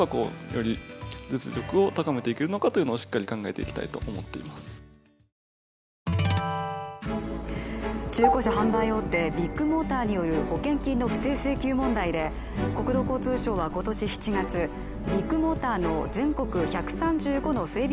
藤井八冠がこの先目指すものとは中古車販売大手ビッグモーターによる保険金の不正請求問題で国土交通省は今年７月、ビッグモーターの全国１３５の整備